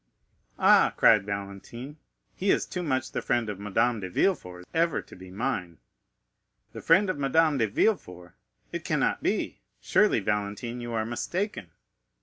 "Ah," cried Valentine, "he is too much the friend of Madame de Villefort ever to be mine." "The friend of Madame de Villefort! It cannot be; surely, Valentine, you are mistaken?"